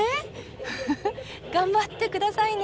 フフフ頑張って下さいね。